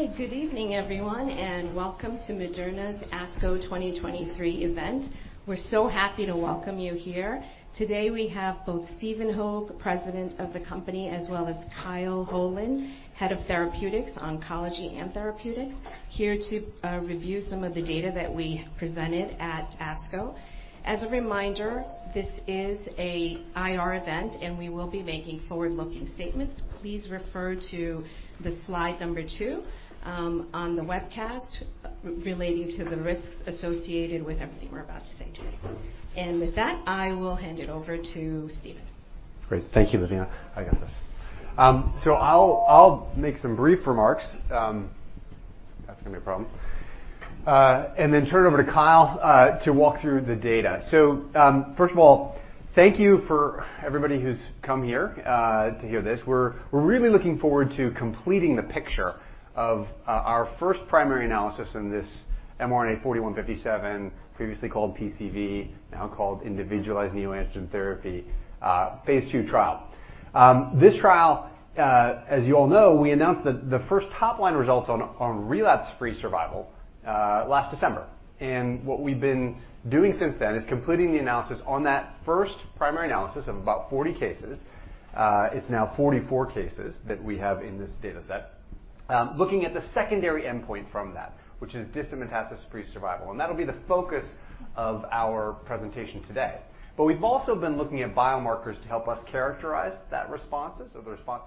Yeah, just want to make sure. Okay. I'm ready whenever you are. All the mics are on personal mode. Okay. Okay, good evening, everyone, welcome to Moderna's ASCO 2023 event. We're so happy to welcome you here. Today, we have both Stephen Hoge, President of the company, as well as Kyle Holen, Head of Therapeutics, Oncology and Therapeutics, here to review some of the data that we presented at ASCO. As a reminder, this is a IR event, and we will be making forward-looking statements. Please refer to the slide number two on the webcast, relating to the risks associated with everything we're about to say today. With that, I will hand it over to Stephen. Great. Thank you, Lavina. I got this. I'll make some brief remarks. That's gonna be a problem. Turn it over to Kyle to walk through the data. First of all, thank you for everybody who's come here to hear this. We're really looking forward to completing the picture of our first primary analysis in this mRNA-4157, previously called PCV, now called individualized neoantigen therapy, phase II trial. This trial, as you all know, we announced that the first top-line results on relapse-free survival last December. What we've been doing since then is completing the analysis on that first primary analysis of about 40 cases. It's now 44 cases that we have in this data set. Looking at the secondary endpoint from that, which is distant metastasis-free survival, that'll be the focus of our presentation today. We've also been looking at biomarkers to help us characterize the responses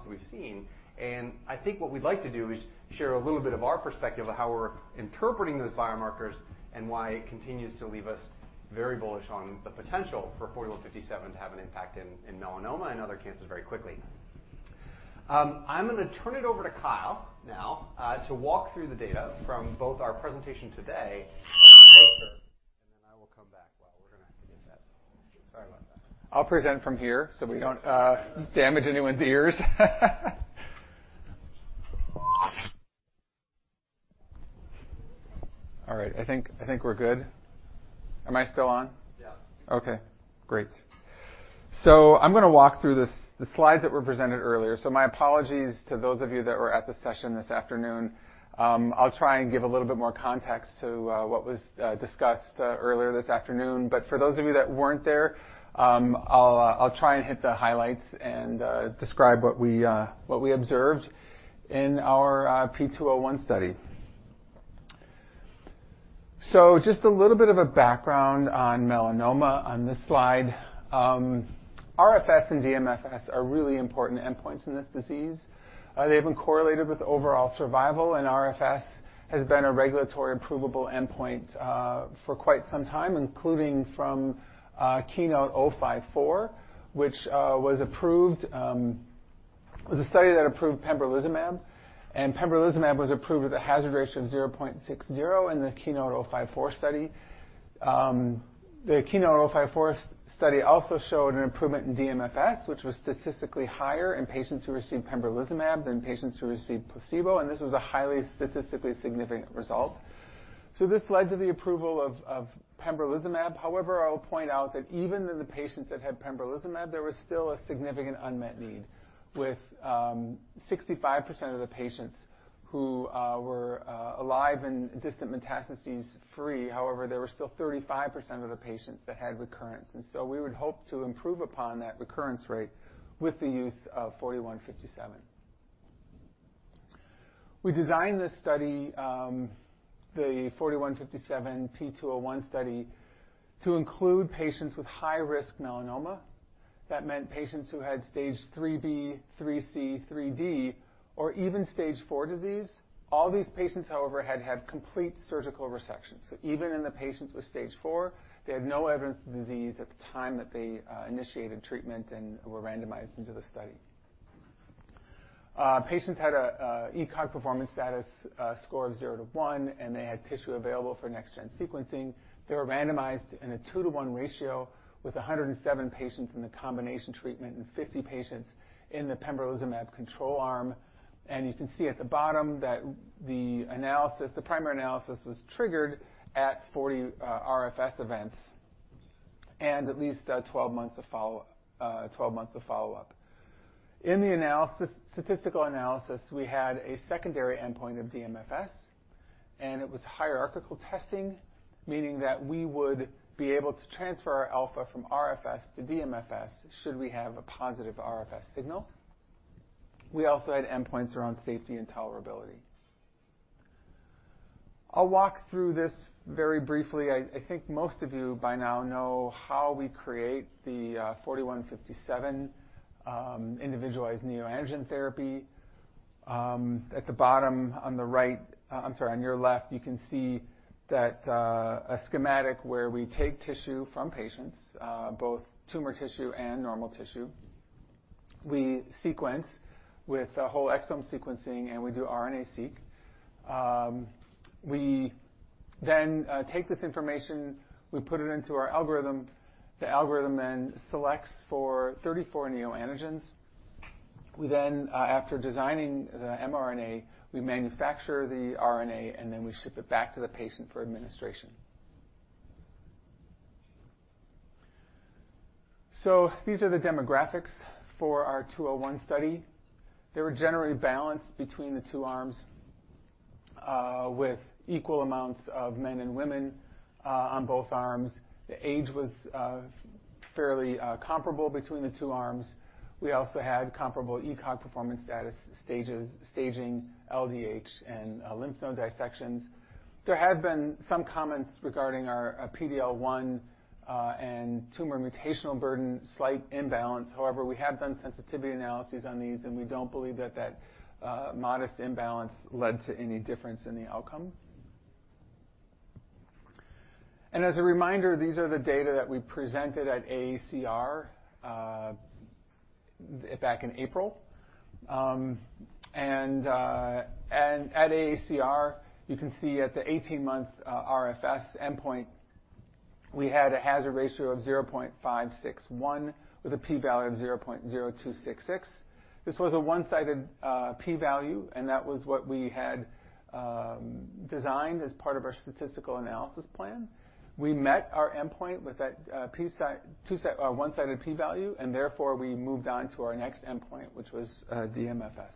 we've seen. I think what we'd like to do is share a little bit of our perspective of how we're interpreting those biomarkers and why it continues to leave us very bullish on the potential for mRNA-4157 to have an impact in melanoma and other cancers very quickly. I'm gonna turn it over to Kyle now to walk through the data from both our presentation today and then I will come back. Well, we're gonna have to get that. Sorry about that. I'll present from here, so we don't damage anyone's ears. All right, I think we're good. Am I still on? Yeah. Okay, great. I'm gonna walk through the slides that were presented earlier. My apologies to those of you that were at the session this afternoon. I'll try and give a little bit more context to what was discussed earlier this afternoon. For those of you that weren't there, I'll try and hit the highlights and describe what we observed in our P201 study. Just a little bit of a background on melanoma on this slide. RFS and DMFS are really important endpoints in this disease. They have been correlated with overall survival, and RFS has been a regulatory approvable endpoint for quite some time, including from KEYNOTE-054, which was approved. It was a study that approved pembrolizumab. Pembrolizumab was approved with a hazard ratio of 0.60 in the KEYNOTE-054 study. The KEYNOTE-054 study also showed an improvement in DMFS, which was statistically higher in patients who received pembrolizumab than patients who received placebo. This was a highly statistically significant result. This led to the approval of pembrolizumab. However, I'll point out that even in the patients that had pembrolizumab, there was still a significant unmet need with 65% of the patients who were alive and distant metastases free. However, there were still 35% of the patients that had recurrence. We would hope to improve upon that recurrence rate with the use of mRNA-4157. We designed this study, the mRNA-4157 P201 study, to include patients with high-risk melanoma. That meant patients who had stage IIIB, IIIC, IIID, or even stage IV disease. All these patients, however, had had complete surgical resections. Even in the patients with stage IV, they had no evidence of disease at the time that they initiated treatment and were randomized into the study. Patients had a ECOG performance status score of 0 to 1, and they had tissue available for next-gen sequencing. They were randomized in a 2 to 1 ratio, with 107 patients in the combination treatment and 50 patients in the pembrolizumab control arm. You can see at the bottom that the analysis, the primary analysis, was triggered at 40 RFS events and at least 12 months of follow, 12 months of follow-up. In the statistical analysis, we had a secondary endpoint of DMFS, and it was hierarchical testing, meaning that we would be able to transfer our alpha from RFS to DMFS, should we have a positive RFS signal. We also had endpoints around safety and tolerability. I'll walk through this very briefly. I think most of you by now know how we create the mRNA-4157 individualized neoantigen therapy. At the bottom, on the right, I'm sorry, on your left, you can see that a schematic where we take tissue from patients, both tumor tissue and normal tissue. We sequence with a whole exome sequencing, and we do RNAseq. We then take this information, we put it into our algorithm. The algorithm then selects for 34 neoantigens. We after designing the mRNA, we manufacture the RNA, and we ship it back to the patient for administration. These are the demographics for our P201 study. They were generally balanced between the two arms, with equal amounts of men and women on both arms. The age was fairly comparable between the two arms. We also had comparable ECOG performance status, stages, staging, LDH, and lymph node dissections. There have been some comments regarding our PD-L1 and tumor mutational burden, slight imbalance. We have done sensitivity analyses on these, and we don't believe that that modest imbalance led to any difference in the outcome. As a reminder, these are the data that we presented at AACR back in April. At AACR, you can see at the 18-month RFS endpoint, we had a hazard ratio of 0.561 with a p-value of 0.0266. This was a one-sided p-value, that was what we had designed as part of our statistical analysis plan. We met our endpoint with that one-sided p-value. Therefore, we moved on to our next endpoint, which was DMFS.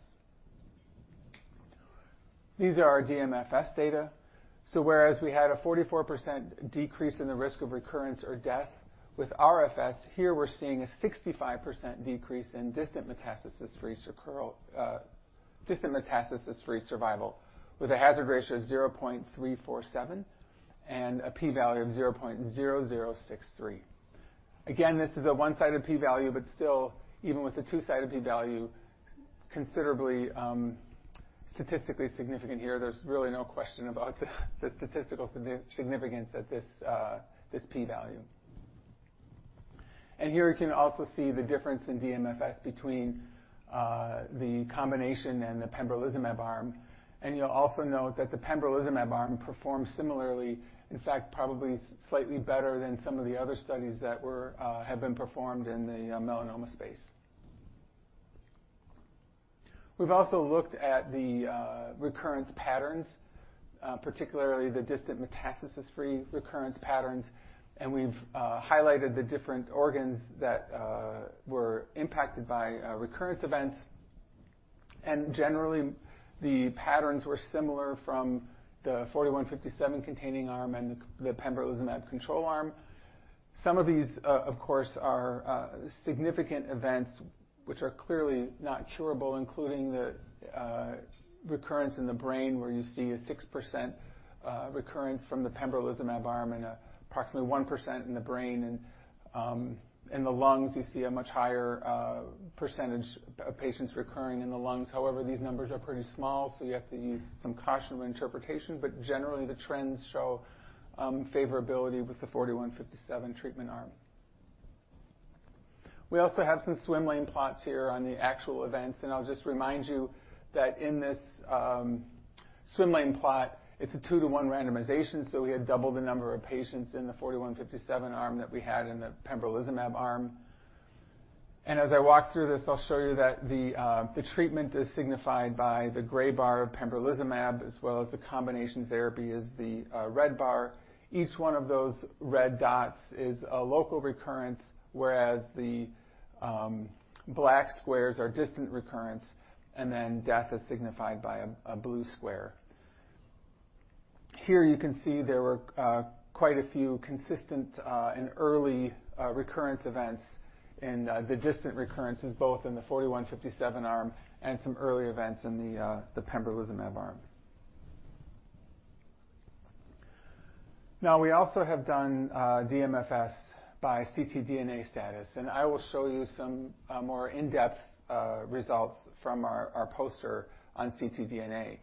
These are our DMFS data. Whereas we had a 44% decrease in the risk of recurrence or death with RFS, here we're seeing a 65% decrease in distant metastasis-free survival, with a hazard ratio of 0.347 and a p-value of 0.0063. This is a one-sided p-value, but still, even with a two-sided p-value, considerably, statistically significant here, there's really no question about the statistical significance at this p-value. Here you can also see the difference in DMFS between the combination and the pembrolizumab arm. You'll also note that the pembrolizumab arm performs similarly, in fact, probably slightly better than some of the other studies that have been performed in the melanoma space. We've also looked at the recurrence patterns, particularly the distant metastasis-free recurrence patterns, and we've highlighted the different organs that were impacted by recurrence events. Generally, the patterns were similar from the 4157 containing arm and the pembrolizumab control arm. Some of these, of course, are significant events which are clearly not curable, including the recurrence in the brain, where you see a 6% recurrence from the pembrolizumab arm and approximately 1% in the brain. In the lungs, you see a much higher percentage of patients recurring in the lungs. However, these numbers are pretty small, so you have to use some caution when interpretation, but generally, the trends show favorability with the mRNA-4157 treatment arm. We also have some swimmer plots here on the actual events, and I'll just remind you that in this swimmer plot, it's a 2 to 1 randomization, so we had double the number of patients in the mRNA-4157 arm than we had in the pembrolizumab arm. As I walk through this, I'll show you that the treatment is signified by the gray bar of pembrolizumab, as well as the combination therapy is the red bar. Each one of those red dots is a local recurrence, whereas the black squares are distant recurrence, and then death is signified by a blue square. Here you can see there were quite a few consistent and early recurrence events in the distant recurrences, both in the 4157 arm and some early events in the pembrolizumab arm. We also have done DMFS by ctDNA status, and I will show you some more in-depth results from our poster on ctDNA.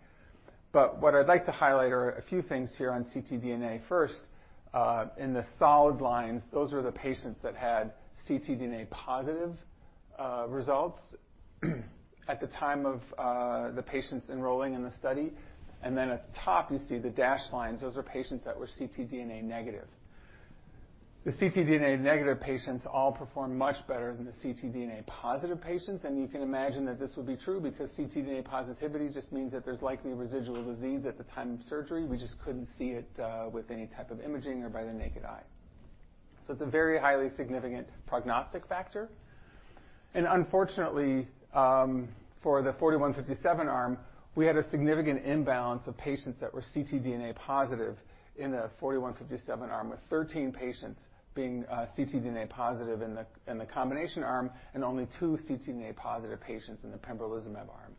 What I'd like to highlight are a few things here on ctDNA. First, in the solid lines, those are the patients that had ctDNA positive results, at the time of the patients enrolling in the study. At the top, you see the dashed lines. Those are patients that were ctDNA negative. The ctDNA negative patients all performed much better than the ctDNA positive patients, and you can imagine that this would be true because ctDNA positivity just means that there's likely residual disease at the time of surgery. We just couldn't see it with any type of imaging or by the naked eye. It's a very highly significant prognostic factor. Unfortunately, for the 4157 arm, we had a significant imbalance of patients that were ctDNA positive in the 4157 arm, with 13 patients being ctDNA positive in the combination arm and only two ctDNA positive patients in the pembrolizumab arm.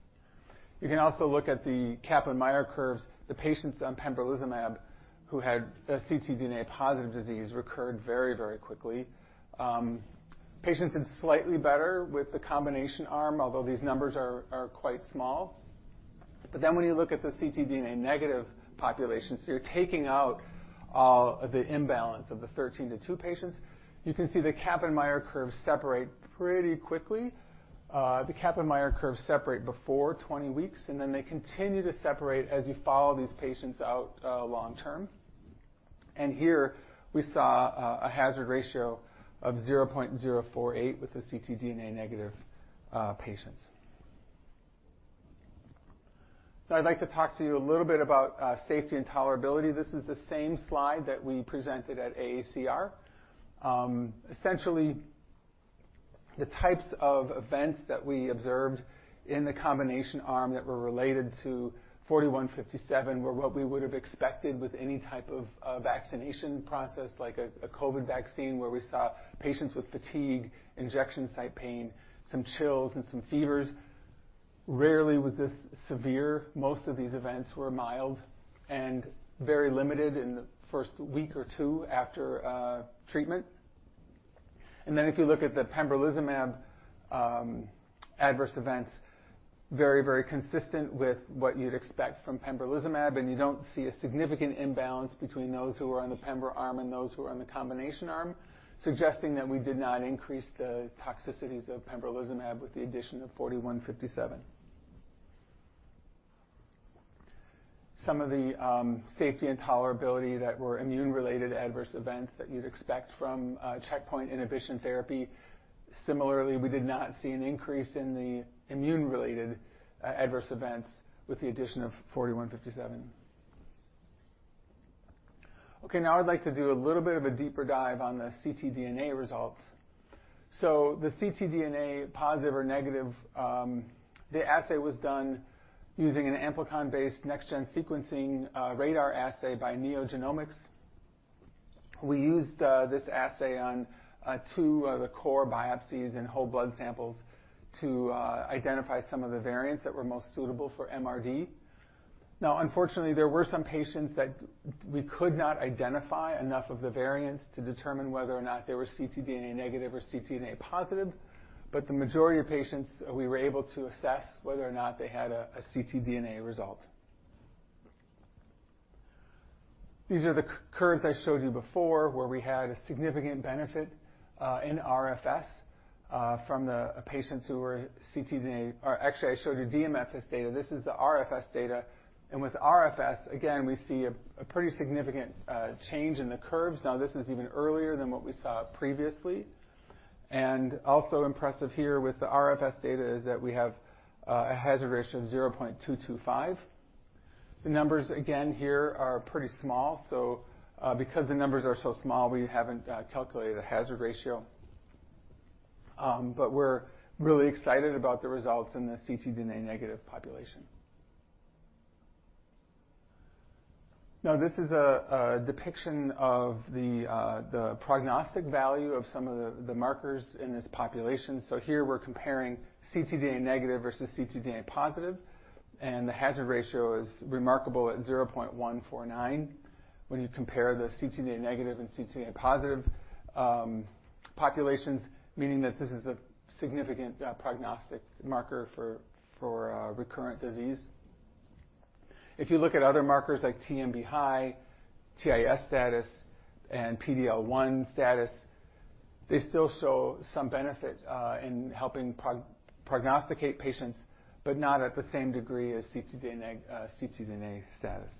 You can also look at the Kaplan-Meier curves. The patients on pembrolizumab who had a ctDNA positive disease recurred very, very quickly. Patients did slightly better with the combination arm, although these numbers are quite small. When you look at the ctDNA negative populations, so you're taking out the imbalance of the 13 to 2 patients, you can see the Kaplan-Meier curves separate pretty quickly. The Kaplan-Meier curves separate before 20 weeks, they continue to separate as you follow these patients out long term. Here we saw a hazard ratio of 0.048 with the ctDNA negative patients. Now I'd like to talk to you a little bit about safety and tolerability. This is the same slide that we presented at AACR. Essentially, the types of events that we observed in the combination arm that were related to mRNA-4157 were what we would have expected with any type of vaccination process, like a COVID vaccine, where we saw patients with fatigue, injection site pain, some chills, and some fevers. Rarely was this severe. Most of these events were mild and very limited in the first week or two after treatment. If you look at the pembrolizumab adverse events, very, very consistent with what you'd expect from pembrolizumab, and you don't see a significant imbalance between those who are on the pembro arm and those who are on the combination arm, suggesting that we did not increase the toxicities of pembrolizumab with the addition of mRNA-4157. Some of the safety and tolerability that were immune-related adverse events that you'd expect from checkpoint inhibition therapy. Similarly, we did not see an increase in the immune-related adverse events with the addition of mRNA-4157. Okay, now I'd like to do a little bit of a deeper dive on the ctDNA results. The ctDNA positive or negative, the assay was done using an amplicon-based next-gen sequencing RaDaR assay by NeoGenomics. We used this assay on two of the core biopsies and whole blood samples to identify some of the variants that were most suitable for MRD. Unfortunately, there were some patients that we could not identify enough of the variants to determine whether or not they were ctDNA negative or ctDNA positive, but the majority of patients, we were able to assess whether or not they had a ctDNA result. These are the c-curves I showed you before, where we had a significant benefit in RFS from the patients who were or actually, I showed you DMFS data. This is the RFS data. With RFS, again, we see a pretty significant change in the curves. This is even earlier than what we saw previously. Also impressive here with the RFS data is that we have a hazard ratio of 0.225. The numbers again here are pretty small. Because the numbers are so small, we haven't calculated a hazard ratio. We're really excited about the results in the ctDNA negative population. This is a depiction of the prognostic value of some of the markers in this population. Here we're comparing ctDNA negative versus ctDNA positive. The hazard ratio is remarkable at 0.149 when you compare the ctDNA negative and ctDNA positive populations, meaning that this is a significant prognostic marker for recurrent disease. If you look at other markers like TMB high, TIS status, and PD-L1 status, they still show some benefit in helping prognosticate patients, but not at the same degree as ctDNA status.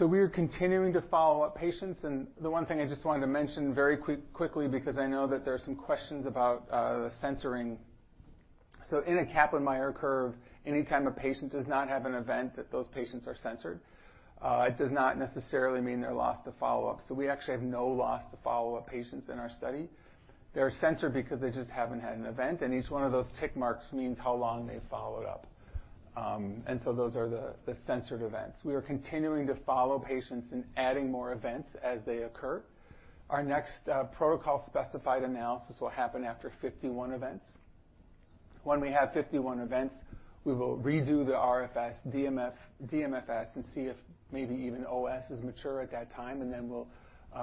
We are continuing to follow up patients, and the one thing I just wanted to mention very quickly because I know that there are some questions about the censoring. In a Kaplan-Meier curve, anytime a patient does not have an event, that those patients are censored, it does not necessarily mean they're lost to follow-up. We actually have no loss to follow-up patients in our study. They're censored because they just haven't had an event, each one of those tick marks means how long they followed up. Those are the censored events. We are continuing to follow patients and adding more events as they occur. Our next, protocol-specified analysis will happen after 51 events. When we have 51 events, we will redo the RFS, DMFS, and see if maybe even OS is mature at that time, and then we'll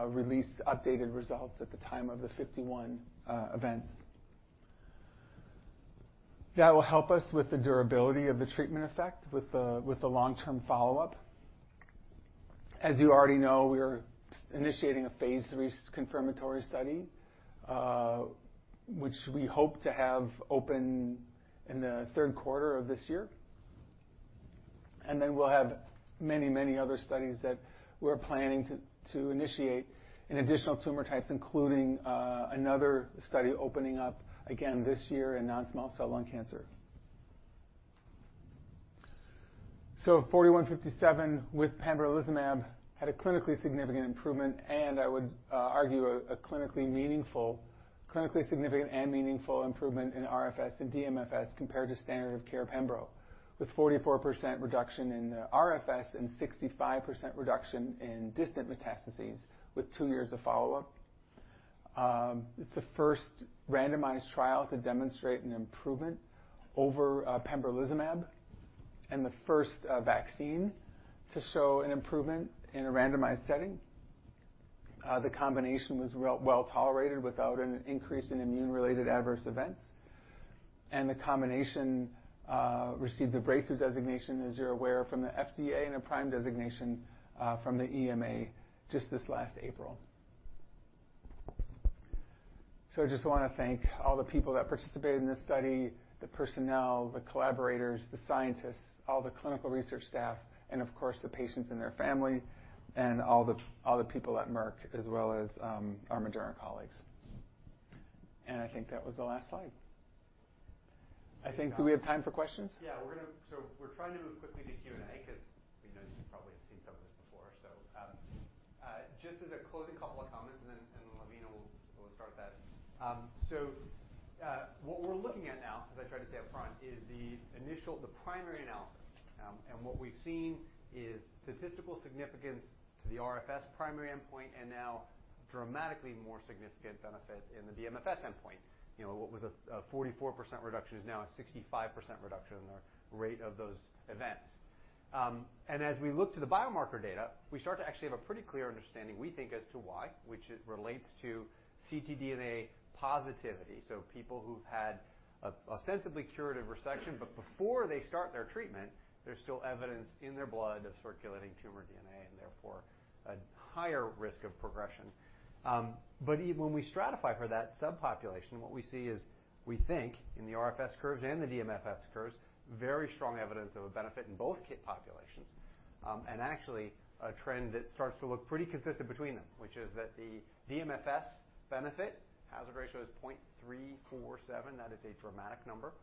release updated results at the time of the 51 events. That will help us with the durability of the treatment effect, with the long-term follow-up. As you already know, we are initiating a phase III confirmatory study, which we hope to have open in the third quarter of this year. We'll have many, many other studies that we're planning to initiate in additional tumor types, including another study opening up again this year in non-small cell lung cancer. 4157 with pembrolizumab had a clinically significant improvement, and I would argue a clinically meaningful, clinically significant and meaningful improvement in RFS and DMFS compared to standard of care pembro, with 44% reduction in the RFS and 65% reduction in distant metastases with two years of follow-up. It's the first randomized trial to demonstrate an improvement over pembrolizumab and the first vaccine to show an improvement in a randomized setting. The combination was well tolerated without an increase in immune-related adverse events. The combination received a breakthrough designation, as you're aware, from the FDA and a PRIME designation from the EMA just this last April. I just want to thank all the people that participated in this study, the personnel, the collaborators, the scientists, all the clinical research staff, and of course, the patients and their family, and all the people at Merck as well as our Moderna colleagues. I think that was the last slide. I think, do we have time for questions? Yeah, we're trying to move quickly to Q&A, 'cause we know you probably have seen some of this before. Just as a closing couple of comments, and then Lavina will start that. What we're looking at now, as I tried to say up front, is the initial the primary analysis. What we've seen is statistical significance to the RFS primary endpoint, and now dramatically more significant benefit in the DMFS endpoint. You know, what was a 44% reduction is now a 65% reduction in the rate of those events. As we look to the biomarker data, we start to actually have a pretty clear understanding, we think, as to why, which is relates to ctDNA positivity. People who've had a ostensibly curative resection, but before they start their treatment, there's still evidence in their blood of circulating tumor DNA, and therefore a higher risk of progression. Even when we stratify for that subpopulation, what we see is, we think in the RFS curves and the DMFS curves, very strong evidence of a benefit in both kit populations. Actually, a trend that starts to look pretty consistent between them, which is that the DMFS benefit, hazard ratio is 0.347. That is a dramatic number.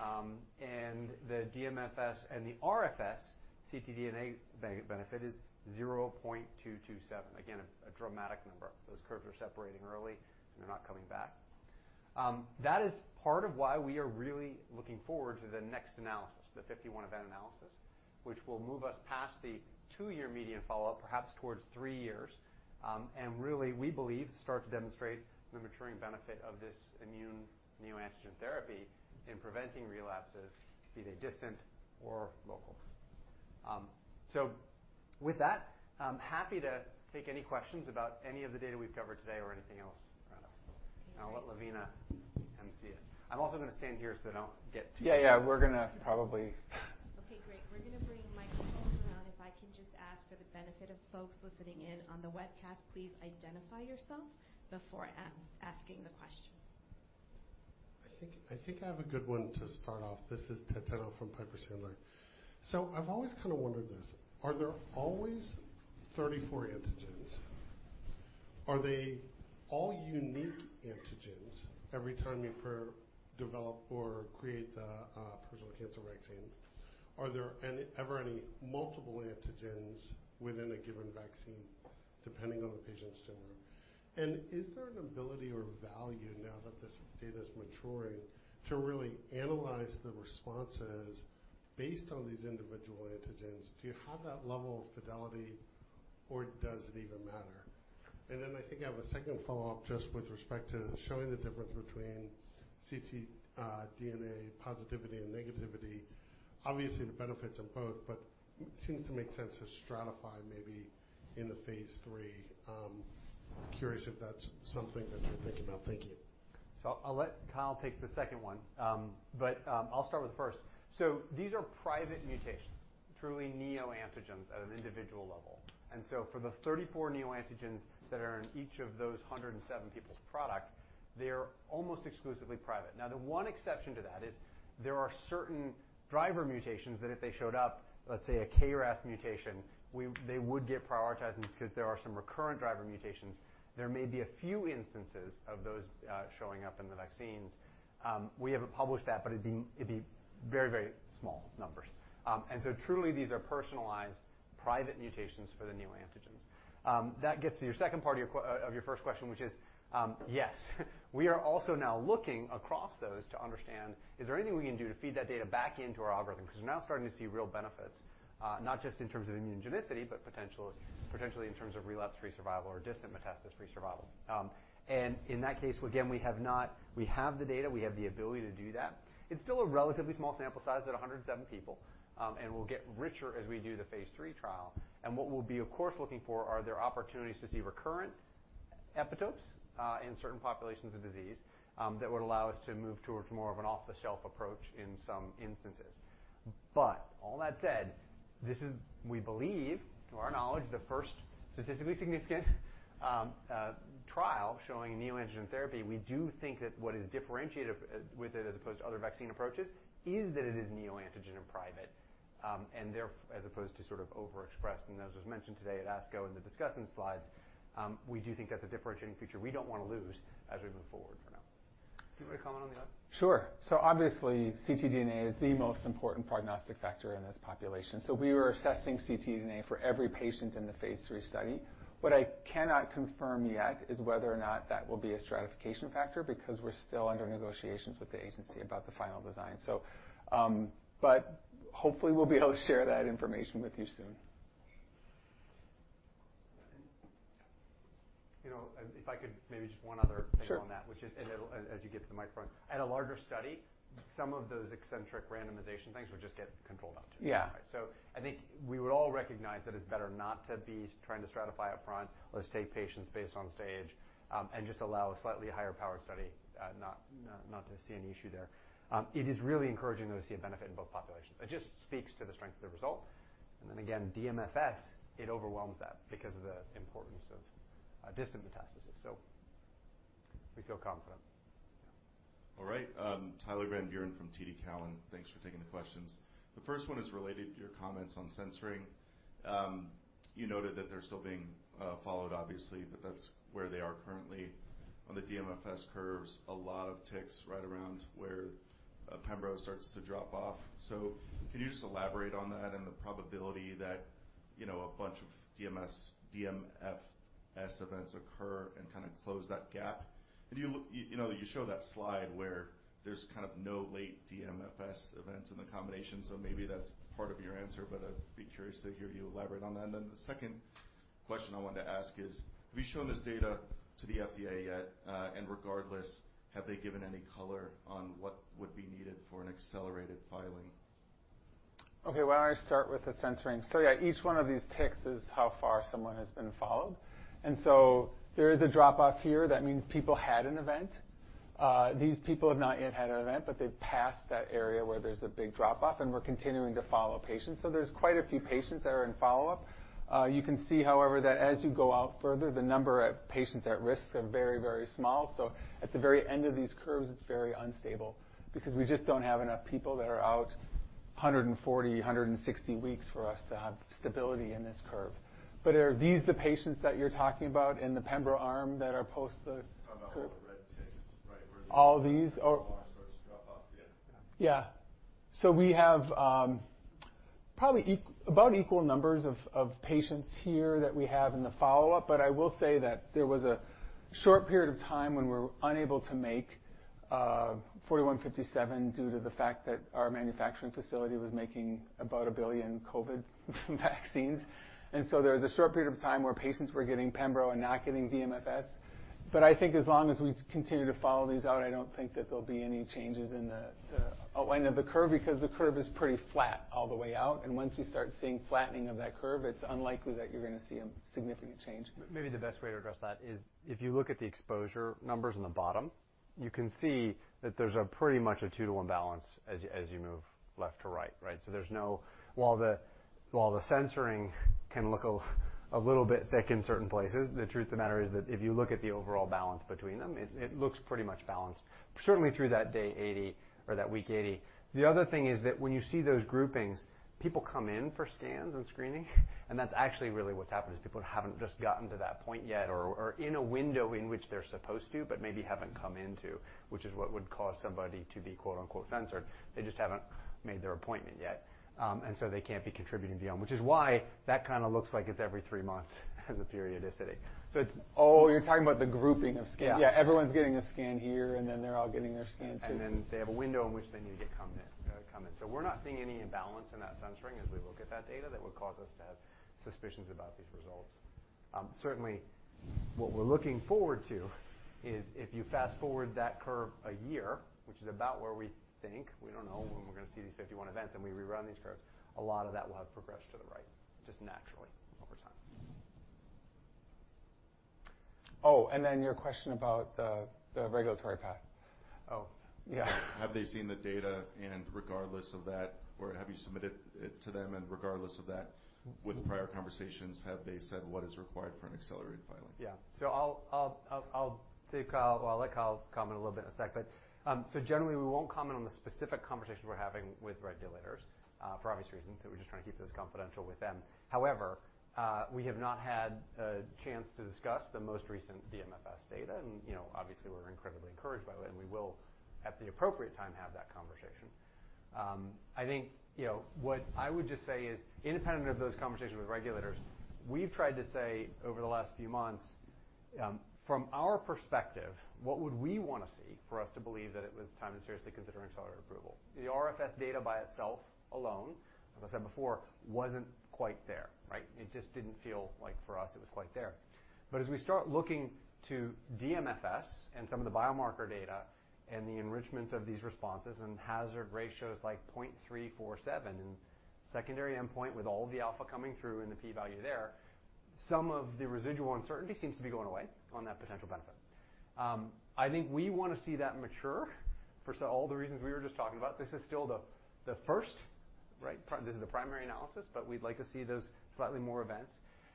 And the DMFS and the RFS, ctDNA benefit is 0.227. Again, a dramatic number. Those curves are separating early, and they're not coming back. That is part of why we are really looking forward to the next analysis, the 51 event analysis, which will move us past the two-year median follow-up, perhaps towards three years. Really, we believe, start to demonstrate the maturing benefit of this individualized neoantigen therapy in preventing relapses, be they distant or local. With that, I'm happy to take any questions about any of the data we've covered today or anything else. I'll let Lavina come and see us. I'm also gonna stand here, so I don't get. Yeah, yeah, we're gonna probably... Okay, great. We're gonna bring microphones around. If I can just ask for the benefit of folks listening in on the webcast, please identify yourself before asking the question. I think I have a good one to start off. This is Ted Tenthoff from Piper Sandler. I've always kind of wondered this: Are there always 34 antigens? Are they all unique antigens every time you develop or create the personal cancer vaccine? Are there ever any multiple antigens within a given vaccine, depending on the patient's tumor? Is there an ability or value now that this data is maturing, to really analyze the responses based on these individual antigens? Do you have that level of fidelity, or does it even matter? I think I have a second follow-up, just with respect to showing the difference between ctDNA positivity and negativity. Obviously, the benefits in both, but it seems to make sense to stratify maybe in the phase III. Curious if that's something that you're thinking about. Thank you. I'll let Kyle take the second one, I'll start with the first. For the 34 neoantigens that are in each of those 107 people's product, they're almost exclusively private. The one exception to that is there are certain driver mutations that if they showed up, let's say a KRAS mutation, they would get prioritized because there are some recurrent driver mutations. There may be a few instances of those showing up in the vaccines. We haven't published that, but it'd be very, very small numbers. Truly, these are personalized private mutations for the neoantigens. That gets to your second part of your first question, which is, yes. We are also now looking across those to understand, is there anything we can do to feed that data back into our algorithm? 'Cause we're now starting to see real benefits, not just in terms of immunogenicity, but potentially in terms of relapse-free survival or distant metastasis-free survival. In that case, again, we have the data, we have the ability to do that. It's still a relatively small sample size at 107 people. What we'll be, of course, looking for, are there opportunities to see recurrent epitopes in certain populations of disease that would allow us to move towards more of an off-the-shelf approach in some instances. All that said, this is, we believe, to our knowledge, the first statistically significant trial showing neoantigen therapy. We do think that what is differentiated with it as opposed to other vaccine approaches is that it is neoantigen and private, as opposed to sort of overexpressed. As was mentioned today at ASCO, in the discussion slides, we do think that's a differentiating feature we don't want to lose as we move forward for now. Do you want to comment on the other? Sure. Obviously, ctDNA is the most important prognostic factor in this population. We were assessing ctDNA for every patient in the phase III study. What I cannot confirm yet is whether or not that will be a stratification factor, because we're still under negotiations with the agency about the final design. Hopefully, we'll be able to share that information with you soon. You know, if I could maybe just one other thing on that. Sure. Which is, and as you get to the microphone. At a larger study, some of those eccentric randomization things would just get controlled out. Yeah. I think we would all recognize that it's better not to be trying to stratify up front. Let's take patients based on stage, and just allow a slightly higher powered study... not to see any issue there. It is really encouraging, though, to see a benefit in both populations. It just speaks to the strength of the result. Again, DMFS, it overwhelms that because of the importance of distant metastasis, we feel confident. All right. Tyler Van Buren from TD Cowen. Thanks for taking the questions. The first one is related to your comments on censoring. You noted that they're still being followed, obviously, but that's where they are currently. On the DMFS curves, a lot of ticks right around where pembro starts to drop off. Can you just elaborate on that and the probability that, you know, a bunch of DMFS events occur and kind of close that gap? You know, you show that slide where there's kind of no late DMFS events in the combination, so maybe that's part of your answer, but I'd be curious to hear you elaborate on that. The second question I wanted to ask is: have you shown this data to the FDA yet? Regardless, have they given any color on what would be needed for an accelerated filing? Okay, why don't I start with the censoring? Yeah, each one of these ticks is how far someone has been followed, and so there is a drop-off here. That means people had an event. These people have not yet had an event, but they've passed that area where there's a big drop-off, and we're continuing to follow patients. There's quite a few patients that are in follow-up. You can see, however, that as you go out further, the number of patients at risk are very, very small. At the very end of these curves, it's very unstable because we just don't have enough people that are out 140, 160 weeks for us to have stability in this curve. Are these the patients that you're talking about in the pembro arm that are post? Talking about all the red ticks, right? All these Where they start to drop off, yeah. Yeah. We have, probably about equal numbers of patients here that we have in the follow-up, but I will say that there was a short period of time when we were unable to make mRNA-4157 due to the fact that our manufacturing facility was making about 1 billion COVID vaccines. There was a short period of time where patients were getting pembro and not getting DMFS. I think as long as we continue to follow these out, I don't think that there'll be any changes in the outline of the curve, because the curve is pretty flat all the way out, and once you start seeing flattening of that curve, it's unlikely that you're gonna see a significant change. Maybe the best way to address that is if you look at the exposure numbers on the bottom, you can see that there's a pretty much a 2 to 1 balance as you move left to right. Right? There's no. While the censoring can look a little bit thick in certain places, the truth of the matter is that if you look at the overall balance between them, it looks pretty much balanced, certainly through that day 80 or that week 80. The other thing is that when you see those groupings, people come in for scans and screening, and that's actually really what's happened, is people haven't just gotten to that point yet or are in a window in which they're supposed to, but maybe haven't come into, which is what would cause somebody to be, quote, unquote, "censored." They just haven't made their appointment yet. They can't be contributing to the arm, which is why that kind of looks like it's every three months as a periodicity. Oh, you're talking about the grouping of scans. Yeah. Yeah, everyone's getting a scan here, and then they're all getting their scans here. They have a window in which they need to come in. We're not seeing any imbalance in that censoring as we look at that data that would cause us to have suspicions about these results. Certainly, what we're looking forward to is if you fast-forward that curve a year, which is about where we think, we don't know when we're gonna see these 51 events and we rerun these curves, a lot of that will have progressed to the right, just naturally over time. Your question about the regulatory path. Oh. Yeah. Have they seen the data, and regardless of that, or have you submitted it to them, and regardless of that, with prior conversations, have they said what is required for an accelerated filing? Yeah. I'll let Kyle comment a little bit in a sec, but generally, we won't comment on the specific conversations we're having with regulators, for obvious reasons, that we're just trying to keep those confidential with them. However, we have not had a chance to discuss the most recent DMFS data, you know, obviously, we're incredibly encouraged by the way, and we will, at the appropriate time, have that conversation. I think, you know, what I would just say is, independent of those conversations with regulators, we've tried to say over the last few months, from our perspective, what would we want to see for us to believe that it was time to seriously consider an accelerated approval? The RFS data by itself alone, as I said before, wasn't quite there, right? It just didn't feel like for us, it was quite there. As we start looking to DMFS and some of the biomarker data and the enrichment of these responses and hazard ratios like 0.347 and secondary endpoint with all the alpha coming through and the P-value there, some of the residual uncertainty seems to be going away on that potential benefit. I think we want to see that mature for so all the reasons we were just talking about. This is still the first, right? This is the primary analysis, but we'd like to see those slightly more events.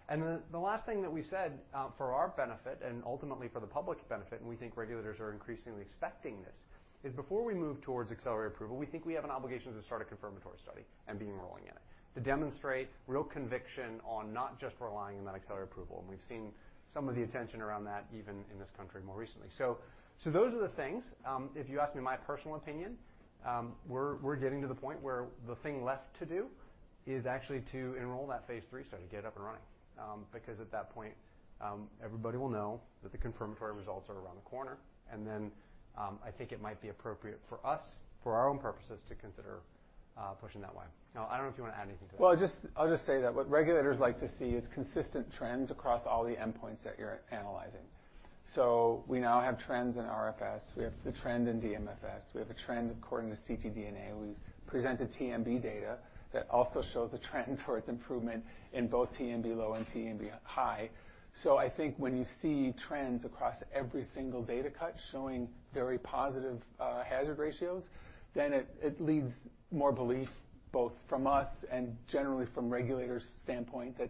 Then the last thing that we said, for our benefit and ultimately for the public's benefit, and we think regulators are increasingly expecting this, is before we move towards accelerated approval, we think we have an obligation to start a confirmatory study and be enrolling in it, to demonstrate real conviction on not just relying on that accelerated approval. We've seen some of the attention around that even in this country more recently. Those are the things. If you ask me my personal opinion, we're getting to the point where the thing left to do is actually to enroll that phase III study, get up and running. Because at that point, everybody will know that the confirmatory results are around the corner, and then, I think it might be appropriate for us, for our own purposes, to consider pushing that way. Now, I don't know if you want to add anything to that. Just... I'll just say that what regulators like to see is consistent trends across all the endpoints that you're analyzing. We now have trends in RFS, we have the trend in DMFS, we have a trend according to ctDNA. We've presented TMB data that also shows a trend towards improvement in both TMB low and TMB high. I think when you see trends across every single data cut showing very positive hazard ratios, then it leads more belief, both from us and generally from regulators' standpoint, that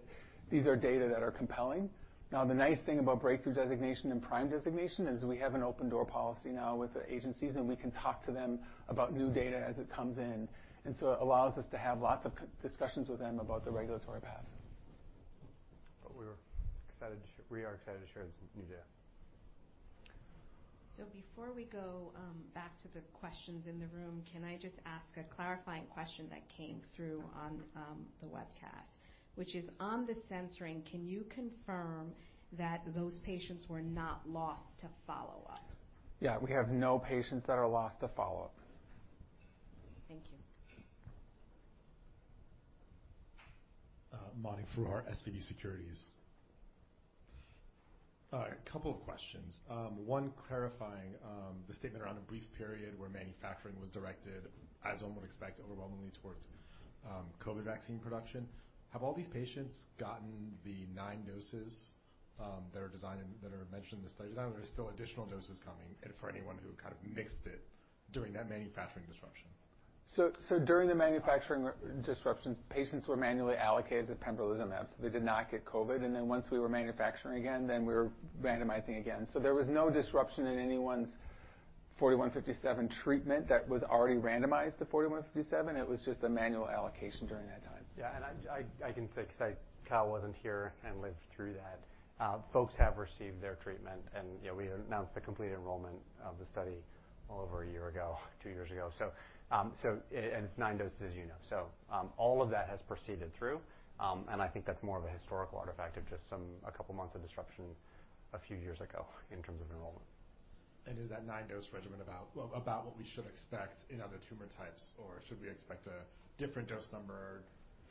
these are data that are compelling. Now, the nice thing about Breakthrough designation and PRIME designation is we have an open door policy now with the agencies, and we can talk to them about new data as it comes in. It allows us to have lots of discussions with them about the regulatory path. We are excited to share this new data. Before we go, back to the questions in the room, can I just ask a clarifying question that came through on, the webcast, which is on the censoring, can you confirm that those patients were not lost to follow-up? Yeah, we have no patients that are lost to follow-up. Thank you. Mani Foroohar, SVB Securities. A couple of questions. One, clarifying the statement around a brief period where manufacturing was directed, as one would expect, overwhelmingly towards COVID vaccine production. Have all these patients gotten the nine doses that are designed and that are mentioned in the study design? Are there still additional doses coming, and for anyone who kind of missed it during that manufacturing disruption? During the manufacturing disruptions, patients were manually allocated to pembrolizumab, so they did not get COVID, and then once we were manufacturing again, then we were randomizing again. There was no disruption in anyone's forty-one fifty-seven treatment that was already randomized to forty-one fifty-seven. It was just a manual allocation during that time. I can say, 'cause Kyle wasn't here and lived through that. Folks have received their treatment, you know, we announced the complete enrollment of the study over one year ago, two years ago. It's nine doses, as you know. All of that has proceeded through, and I think that's more of a historical artifact of just a couple months of disruption a few years ago in terms of enrollment. Is that 9-dose regimen about, well, about what we should expect in other tumor types, or should we expect a different dose number,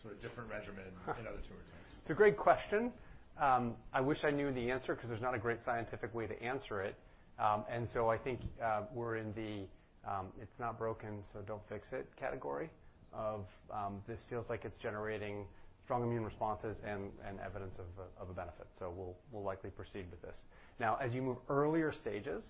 sort of different regimen in other tumor types? It's a great question. I wish I knew the answer because there's not a great scientific way to answer it. I think, we're in the, it's not broken, so don't fix it category of, this feels like it's generating strong immune responses and evidence of a benefit, so we'll likely proceed with this. Now, as you move earlier stages,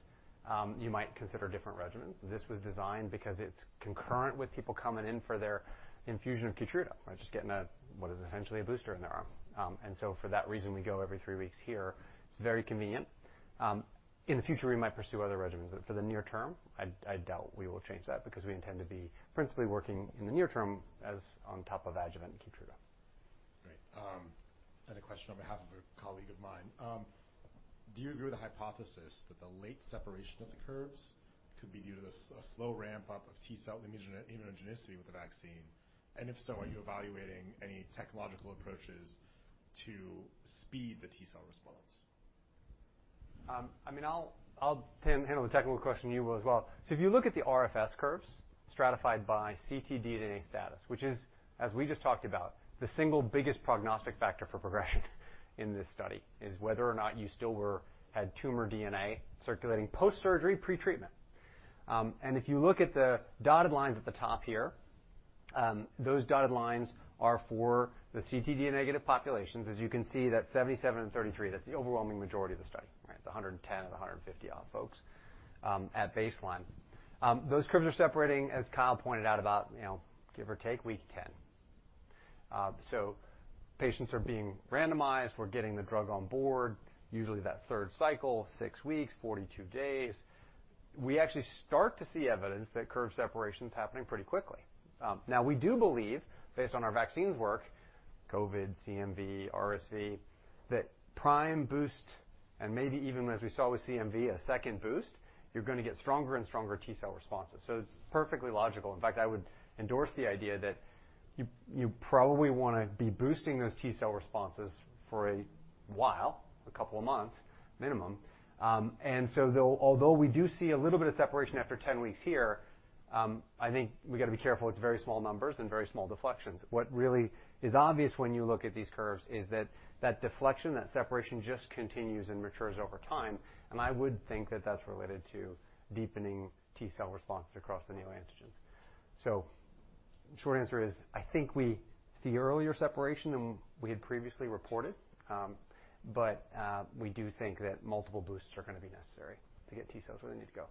you might consider different regimens. This was designed because it's concurrent with people coming in for their infusion of KEYTRUDA, right? Just getting a, what is essentially a booster in their arm. For that reason, we go every three weeks here. It's very convenient. In the future, we might pursue other regimens, but for the near term, I doubt we will change that because we intend to be principally working in the near term as on top of adjuvant KEYTRUDA. Great. A question on behalf of a colleague of mine. Do you agree with the hypothesis that the late separation of the curves could be due to a slow ramp up of T cell immunogenicity with the vaccine? If so, are you evaluating any technological approaches to speed the T cell response? I mean, I'll handle the technical question to you as well. If you look at the RFS curves stratified by ctDNA status, which is, as we just talked about, the single biggest prognostic factor for progression in this study, is whether or not you still had tumor DNA circulating post-surgery, pre-treatment. If you look at the dotted lines at the top here, those dotted lines are for the ctDNA negative populations. As you can see, that's 77 and 33, that's the overwhelming majority of the study, right? It's 110 out of 150 odd folks at baseline. Those curves are separating, as Kyle pointed out, about, you know, give or take, week 10. Patients are being randomized. We're getting the drug on board, usually that third cycle, 6 weeks, 42 days. We actually start to see evidence that curve separation is happening pretty quickly. Now, we do believe, based on our vaccines work, COVID, CMV, RSV, that prime boost and maybe even as we saw with CMV, a second boost, you're gonna get stronger and stronger T cell responses. It's perfectly logical. In fact, I would endorse the idea that you probably wanna be boosting those T cell responses for a while, a couple of months, minimum. Although we do see a little bit of separation after 10 weeks here, I think we've got to be careful. It's very small numbers and very small deflections. What really is obvious when you look at these curves is that deflection, that separation just continues and matures over time. I would think that that's related to deepening T cell responses across the neoantigens. The short answer is, I think we see earlier separation than we had previously reported, but we do think that multiple boosts are gonna be necessary to get T cells where they need to go.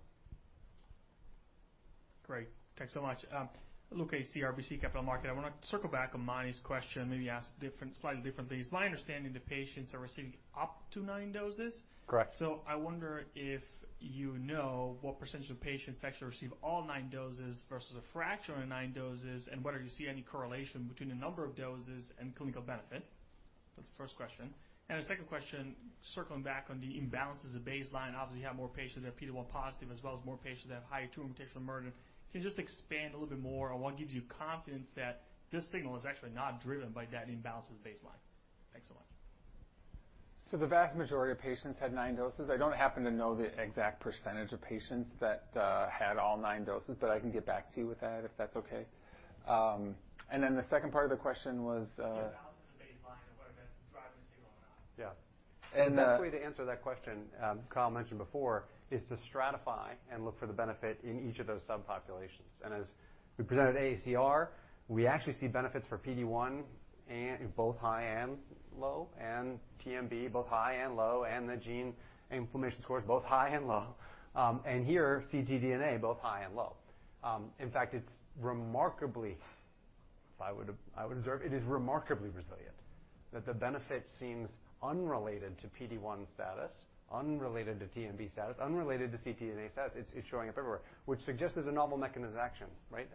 Great. Thanks so much. Luca Issi, RBC Capital Markets. I wanna circle back on Mani's question, maybe ask different, slightly different things. My understanding, the patients are receiving up to nine doses? Correct. I wonder if you know what percentage of patients actually receive all nine doses versus a fraction of the nine doses, and whether you see any correlation between the number of doses and clinical benefit? That's the first question. The second question, circling back on the imbalances of baseline, obviously, you have more patients that are PD-L1 positive, as well as more patients that have higher tumor mutation burden. Can you just expand a little bit more on what gives you confidence that this signal is actually not driven by that imbalances baseline? Thanks so much. The vast majority of patients had nine doses. I don't happen to know the exact percentage of patients that had all nine doses, but I can get back to you with that, if that's okay. The second part of the question was. The imbalance.... Yeah. The best way to answer that question, Kyle mentioned before, is to stratify and look for the benefit in each of those subpopulations. As we presented AACR, we actually see benefits for PD-1 and both high and low, and TMB, both high and low, and the tumor inflammation scores, both high and low. Here, ctDNA, both high and low. In fact, it's remarkably, if I would, I would observe, it is remarkably resilient, that the benefit seems unrelated to PD-1 status, unrelated to TMB status, unrelated to ctDNA status. It's, it's showing up everywhere, which suggests there's a novel mechanism action, right?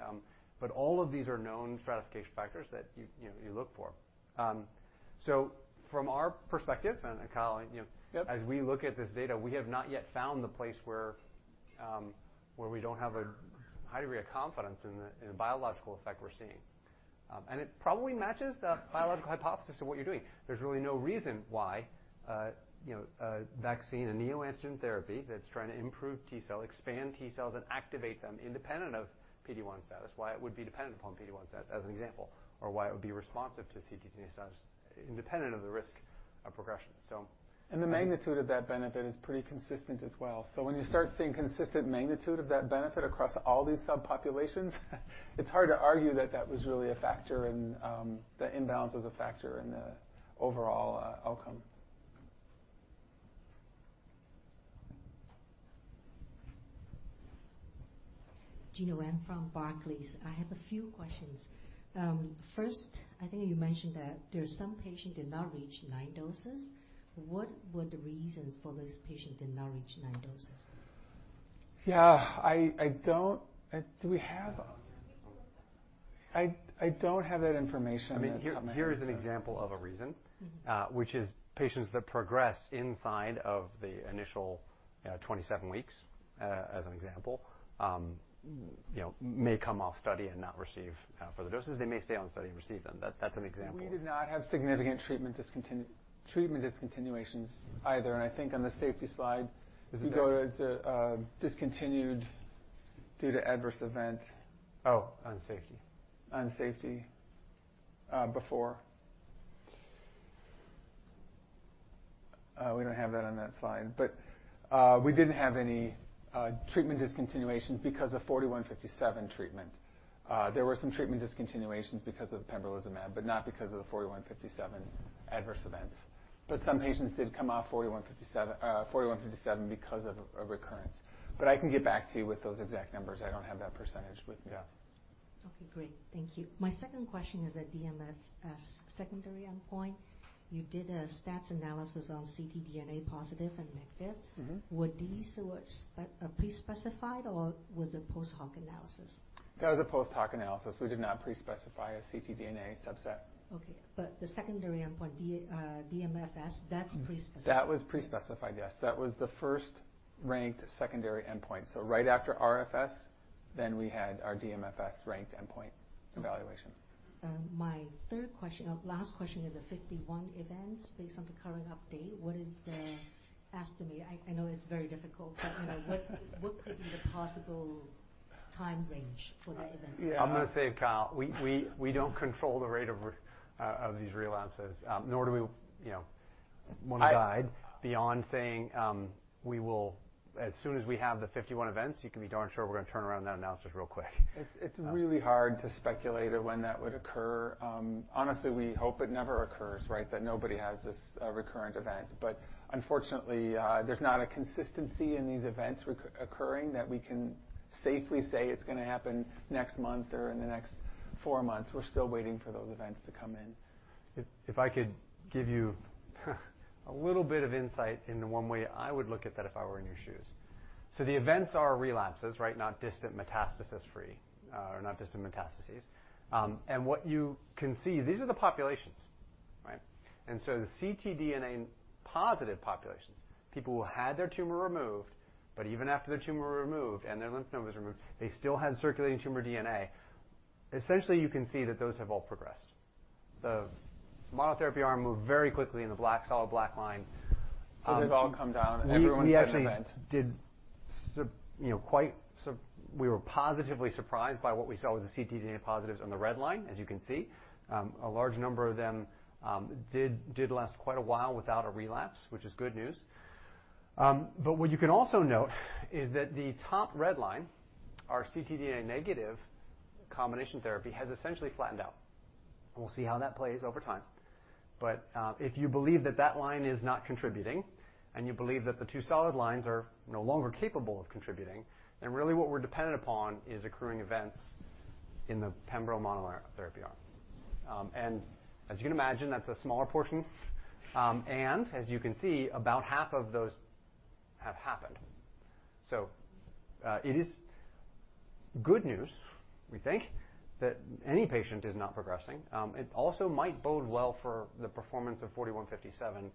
All of these are known stratification factors that you know, you look for. From our perspective, and Kyle, you know- Yep. as we look at this data, we have not yet found the place where we don't have a high degree of confidence in the biological effect we're seeing. It probably matches the biological hypothesis of what you're doing. There's really no reason why, you know, a vaccine, a neoantigen therapy, that's trying to improve T cell, expand T cells and activate them independent of PD-1 status, why it would be dependent upon PD-1 status, as an example, or why it would be responsive to ctDNA status independent of the risk of progression. The magnitude of that benefit is pretty consistent as well. When you start seeing consistent magnitude of that benefit across all these subpopulations, it's hard to argue that that was really a factor in the imbalance was a factor in the overall outcome. Gena Wang from Barclays. I have a few questions. first, I think you mentioned that there are some patients did not reach nine doses. What were the reasons for this patient did not reach nine doses? Yeah, I don't have that information. I mean, here is an example of a reason. Mm-hmm. Which is patients that progress inside of the initial, 27 weeks, as an example, you know, may come off study and not receive, further doses. They may stay on study and receive them. That's an example. We did not have significant treatment discontinuations either. I think on the safety slide. Is it there? you go to, discontinued due to adverse event. Oh, on safety. On safety, before. We don't have that on that slide, but we didn't have any treatment discontinuations because of mRNA-4157 treatment. There were some treatment discontinuations because of the pembrolizumab, but not because of the mRNA-4157 adverse events. Some patients did come off mRNA-4157 because of recurrence. I can get back to you with those exact numbers. I don't have that percentage with me. Yeah. Okay, great. Thank you. My second question is at DMFS, secondary endpoint. You did a stats analysis on ctDNA positive and negative. Mm-hmm. Were these, pre-specified, or was it post-hoc analysis? That was a post-hoc analysis. We did not pre-specify a ctDNA subset. Okay, the secondary endpoint, DMFS, that's pre-specified? That was pre-specified, yes. That was the first ranked secondary endpoint. Right after RFS, then we had our DMFS ranked endpoint evaluation. My third question, last question is the 51 events based on the current update? What is the estimate? I know it's very difficult, but, you know, what could be the possible time range for that event? I'm gonna say, Kyle, we don't control the rate of these relapses, nor do we, you know, want to guide beyond saying, As soon as we have the 51 events, you can be darn sure we're going to turn around that analysis real quick. It's really hard to speculate on when that would occur. Honestly, we hope it never occurs, right? That nobody has this recurrent event. Unfortunately, there's not a consistency in these events occurring, that we can safely say it's gonna happen next month or in the next four months. We're still waiting for those events to come in. If I could give you a little bit of insight into one way I would look at that if I were in your shoes. The events are relapses, right? Not distant metastasis-free, or not distant metastases. What you can see, these are the populations, right? The ctDNA positive populations, people who had their tumor removed, but even after the tumor was removed and their lymph node was removed, they still had circulating tumor DNA. Essentially, you can see that those have all progressed. The monotherapy arm moved very quickly in the black, solid black line. They've all come down, and everyone's had an event. We actually did you know, we were positively surprised by what we saw with the ctDNA positives on the red line, as you can see. A large number of them did last quite a while without a relapse, which is good news. What you can also note is that the top red line, our ctDNA negative combination therapy, has essentially flattened out. We'll see how that plays over time. If you believe that that line is not contributing, and you believe that the two solid lines are no longer capable of contributing, then really what we're dependent upon is accruing events in the pembro monotherapy arm. As you can imagine, that's a smaller portion. As you can see, about half of those have happened. It is good news, we think, that any patient is not progressing. It also might bode well for the performance of 4157,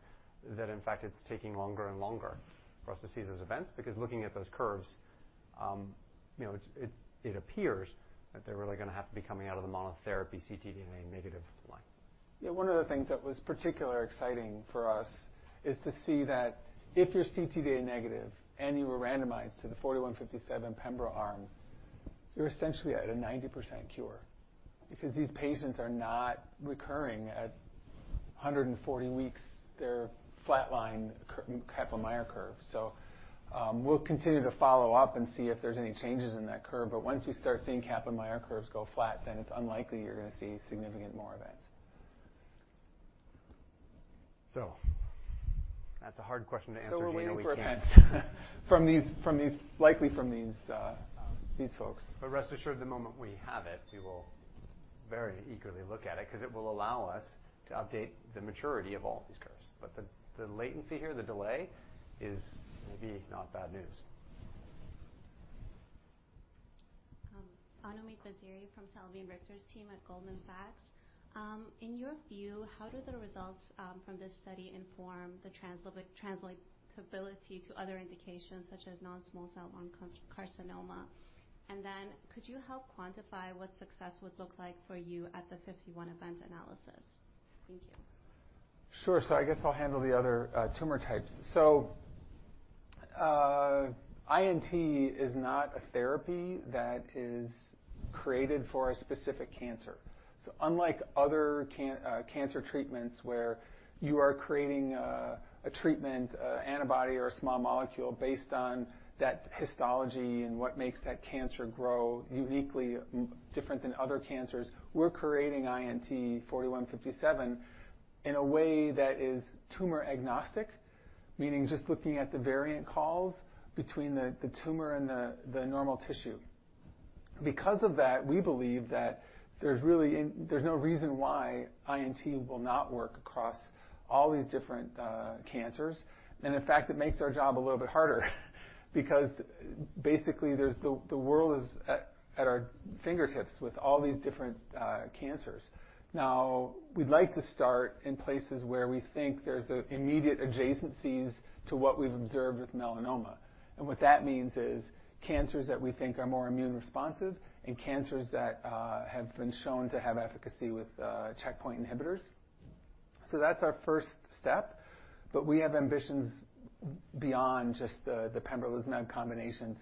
that in fact, it's taking longer and longer for us to see those events, because looking at those curves, you know, it appears that they're really gonna have to be coming out of the monotherapy ctDNA negative line. One of the things that was particularly exciting for us is to see that if you're ctDNA negative and you were randomized to the mRNA-4157 pembro arm. You're essentially at a 90% cure because these patients are not recurring at 140 weeks, they're flatline Kaplan-Meier curve. We'll continue to follow up and see if there's any changes in that curve, but once you start seeing Kaplan-Meier curves go flat, it's unlikely you're gonna see significant more events. That's a hard question to answer, Gena We can't. From these likely from these these folks. Rest assured, the moment we have it, we will very eagerly look at it because it will allow us to update the maturity of all these curves. The latency here, the delay, is maybe not bad news. Anoumid Vaziri from Salveen and Richter's team at Goldman Sachs. In your view, how do the results from this study inform the translatability to other indications such as non-small cell lung cancer? Could you help quantify what success would look like for you at the 51 event analysis? Thank you. Sure. I guess I'll handle the other tumor types. INT is not a therapy that is created for a specific cancer. Unlike other cancer treatments, where you are creating a treatment antibody, or a small molecule based on that histology and what makes that cancer grow uniquely different than other cancers, we're creating INT 4157 in a way that is tumor agnostic. Meaning, just looking at the variant calls between the tumor and the normal tissue. Because of that, we believe that there's really no reason why INT will not work across all these different cancers. In fact, it makes our job a little bit harder, because basically, there's the world is at our fingertips with all these different cancers. We'd like to start in places where we think there's the immediate adjacencies to what we've observed with melanoma. What that means is, cancers that we think are more immune responsive and cancers that have been shown to have efficacy with checkpoint inhibitors. That's our first step, but we have ambitions beyond just the pembrolizumab combinations,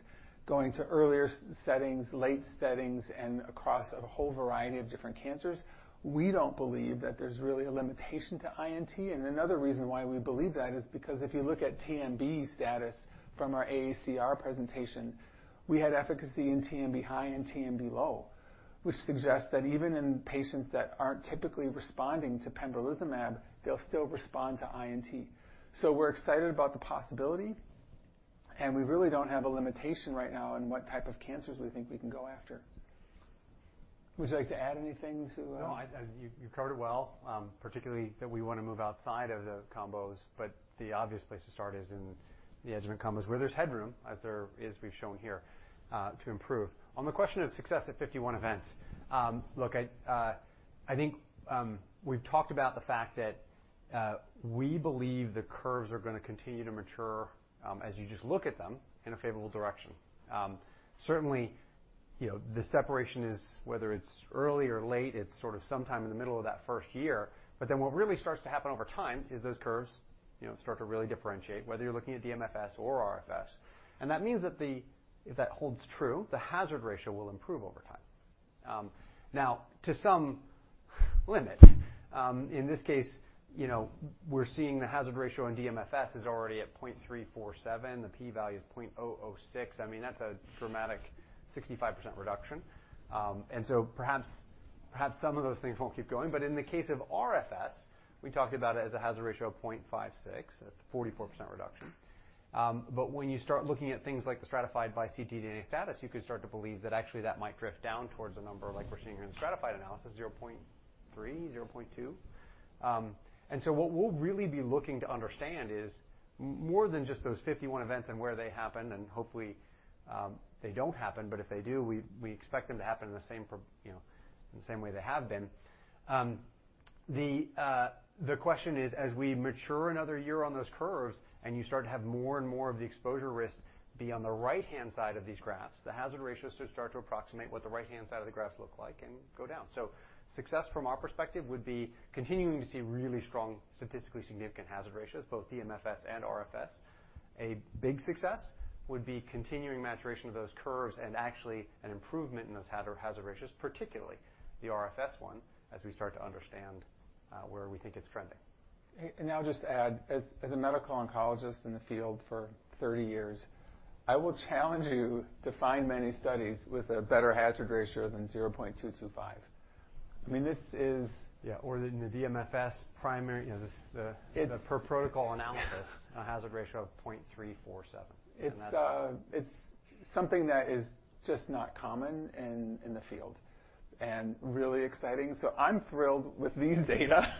going to earlier settings, late settings, and across a whole variety of different cancers. We don't believe that there's really a limitation to INT, and another reason why we believe that is because if you look at TMB status from our AACR presentation, we had efficacy in TMB high and TMB low, which suggests that even in patients that aren't typically responding to pembrolizumab, they'll still respond to INT. We're excited about the possibility, and we really don't have a limitation right now on what type of cancers we think we can go after. Would you like to add anything to? No, I, you've covered it well, particularly that we wanna move outside of the combos. The obvious place to start is in the adjuvant combos, where there's headroom, as there is, we've shown here, to improve. On the question of success at 51 events. Look, I think we've talked about the fact that we believe the curves are gonna continue to mature, as you just look at them in a favorable direction. Certainly, you know, the separation is whether it's early or late, it's sort of sometime in the middle of that first year. What really starts to happen over time is those curves, you know, start to really differentiate, whether you're looking at DMFS or RFS. That means that if that holds true, the hazard ratio will improve over time. Now, to some limit, in this case, you know, we're seeing the hazard ratio in DMFS is already at 0.347. The p-value is 0.006. I mean, that's a dramatic 65% reduction. Perhaps, perhaps some of those things won't keep going. In the case of RFS, we talked about it as a hazard ratio of 0.56, that's 44% reduction. When you start looking at things like the stratified by ctDNA status, you could start to believe that actually that might drift down towards a number like we're seeing here in the stratified analysis, 0.3, 0.2. What we'll really be looking to understand is more than just those 51 events and where they happen, and hopefully, they don't happen, but if they do, we expect them to happen in the same, you know, in the same way they have been. The question is, as we mature another year on those curves, and you start to have more and more of the exposure risk be on the right-hand side of these graphs, the hazard ratios should start to approximate what the right-hand side of the graphs look like and go down. Success, from our perspective, would be continuing to see really strong, statistically significant hazard ratios, both DMFS and RFS. A big success would be continuing maturation of those curves and actually an improvement in those hazard ratios, particularly the RFS one, as we start to understand where we think it's trending. I'll just add, as a medical oncologist in the field for 30 years, I will challenge you to find many studies with a better hazard ratio than 0.225. I mean, this is. Yeah, or in the DMFS primary, you know. It's- The per protocol analysis, has a ratio of 0.347. It's, it's something that is just not common in the field and really exciting. I'm thrilled with these data.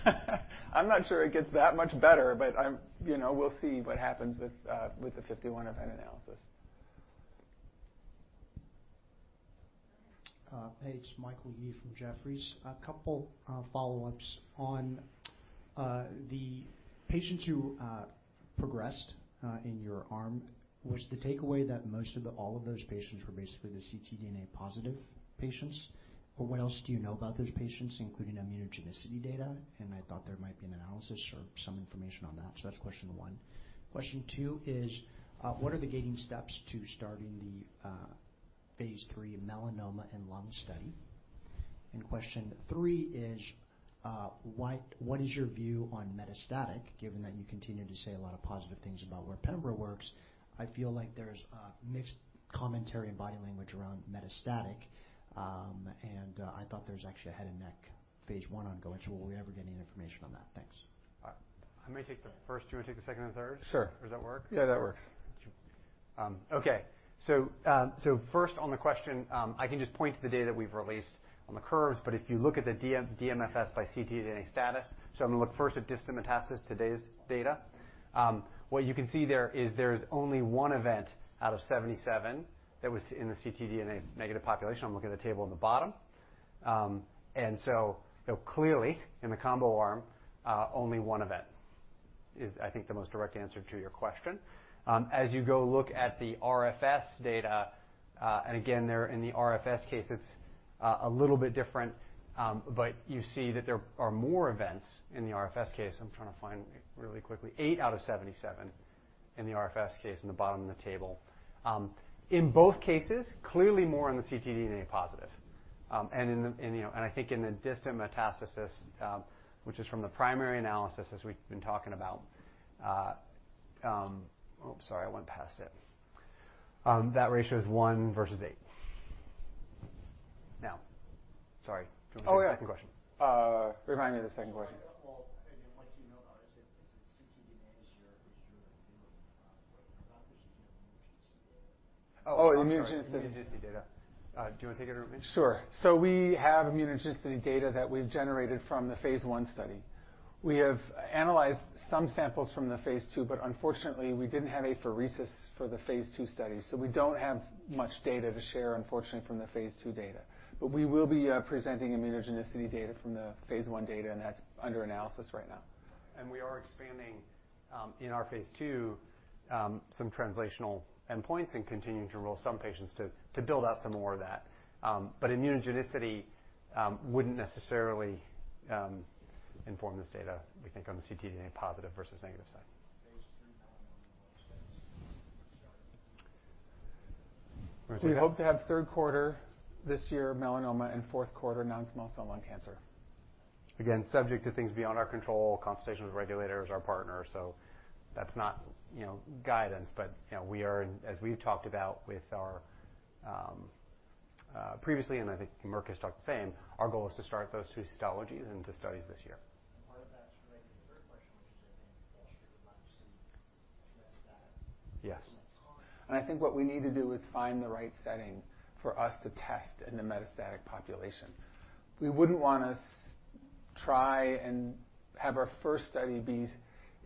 I'm not sure it gets that much better, but I'm, you know, we'll see what happens with the 51 event analysis. Hey, it's Michael Yee from Jefferies. A couple, follow-ups. On the patients who progressed in your arm, was the takeaway that all of those patients were basically the ctDNA positive patients, but what else do you know about those patients, including immunogenicity data? I thought there might be an analysis or some information on that. That's question one. Question two is, what are the gating steps to starting the phase III melanoma and lung study? Question three is, what is your view on metastatic, given that you continue to say a lot of positive things about where pembro works? I feel like there's a mixed commentary and body language around metastatic. I thought there's actually a head and neck phase I ongoing. Will we ever get any information on that? Thanks. I may take the first, you want to take the second and third? Sure. Does that work? Yeah, that works. Okay. First on the question, I can just point to the data we've released on the curves, but if you look at the DMFS by ctDNA status, so I'm going to look first at distant metastasis, today's data. What you can see there is there's only 1 event out of 77 that was in the ctDNA negative population. I'm looking at the table on the bottom. Clearly, in the combo arm, only 1 event is, I think, the most direct answer to your question. As you go look at the RFS data, and again, there in the RFS case, it's a little bit different, but you see that there are more events in the RFS case. I'm trying to find really quickly, 8 out of 77 in the RFS case in the bottom of the table. In both cases, clearly more on the ctDNA positive. In the, you know, I think in the distant metastasis, which is from the primary analysis, as we've been talking about. Oh, sorry, I went past it. That ratio is 1 versus 8. Now, sorry. Oh, yeah. Second question. Remind me of the second question? Again, what you know about it is it ctDNA is your view of it. Oh, immunogenicity. Immunogenicity data. Do you want to take it or me? Sure. We have immunogenicity data that we've generated from the phase I study. We have analyzed some samples from the phase II, but unfortunately, we didn't have a apheresis for the phase II study, so we don't have much data to share, unfortunately, from the phase II data. We will be presenting immunogenicity data from the phase I data, and that's under analysis right now. We are expanding, in our phase II, some translational endpoints and continuing to enroll some patients to build out some more of that. Immunogenicity wouldn't necessarily inform this data, we think, on the ctDNA positive versus negative side. phase III melanoma. We hope to have third quarter this year, melanoma, and fourth quarter, non-small cell lung cancer. Subject to things beyond our control, consultation with regulators, our partner, so that's not, you know, guidance, but, you know, we are, as we've talked about with our previously, and I think Merck has talked the same, our goal is to start those two histologies into studies this year. Part of that's related to the third question, which is I think much metastatic. Yes. I think what we need to do is find the right setting for us to test in the metastatic population. We wouldn't want to try and have our first study be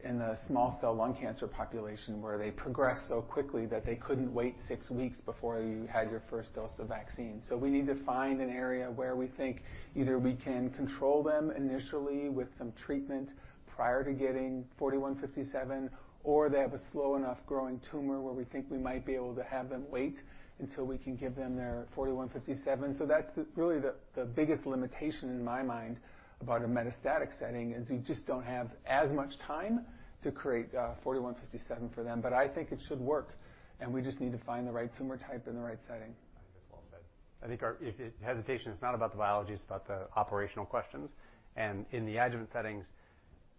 in the non-small cell lung cancer population, where they progress so quickly that they couldn't wait six weeks before you had your first dose of vaccine. We need to find an area where we think either we can control them initially with some treatment prior to getting forty-one fifty-seven, or they have a slow enough growing tumor where we think we might be able to have them wait until we can give them their forty-one fifty-seven. That's really the biggest limitation in my mind about a metastatic setting, is you just don't have as much time to create forty-one fifty-seven for them. I think it should work, and we just need to find the right tumor type in the right setting. I think it's well said. I think our hesitation is not about the biology, it's about the operational questions. In the adjuvant settings,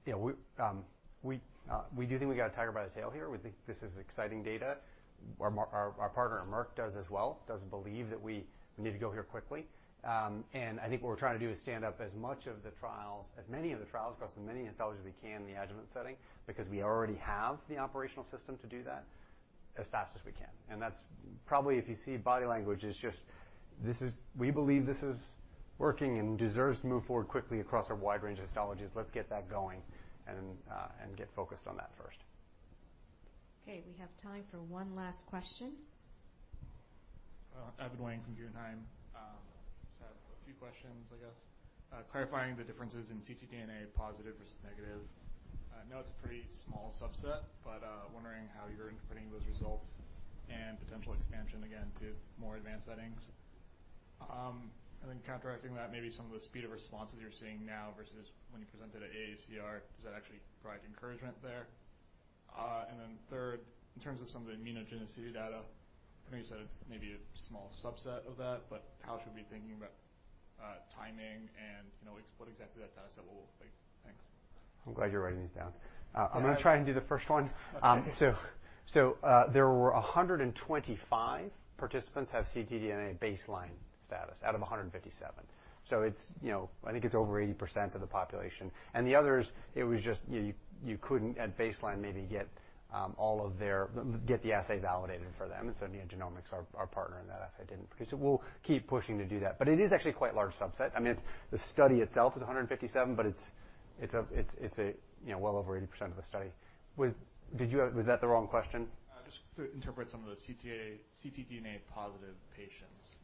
you know, we do think we got a tiger by the tail here. We think this is exciting data. Our partner, Merck, does as well, does believe that we need to go here quickly. I think what we're trying to do is stand up as much of the trials, as many of the trials across as many histologies as we can in the adjuvant setting, because we already have the operational system to do that as fast as we can. That's probably, if you see body language, is just we believe this is working and deserves to move forward quickly across a wide range of histologies. Let's get that going and get focused on that first. Okay, we have time for one last question. Evan Wang from Guggenheim. I just have a few questions, I guess. Clarifying the differences in ctDNA positive versus negative. I know it's a pretty small subset, but wondering how you're interpreting those results and potential expansion again to more advanced settings. Counteracting that, maybe some of the speed of responses you're seeing now versus when you presented at AACR, does that actually provide encouragement there? Third, in terms of some of the immunogenicity data, I know you said it may be a small subset of that, but how should we be thinking about timing and, you know, what exactly that data set will look like? Thanks. I'm glad you're writing these down. I'm gonna try and do the first one. Okay. There were 125 participants have ctDNA baseline status out of 157. It's, you know, I think it's over 80% of the population. The others, it was just, you couldn't at baseline, maybe get the assay validated for them. NeoGenomics, our partner in that assay, didn't produce it. We'll keep pushing to do that, but it is actually quite a large subset. I mean, the study itself is 157, but it's a, you know, well over 80% of the study. Did you have... Was that the wrong question? Just to interpret some of the CTA, ctDNA positive patients.